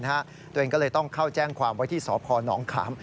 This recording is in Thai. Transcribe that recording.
ตัวเองก็เลยต้องเข้าแจ้งความไว้ที่สพนขาม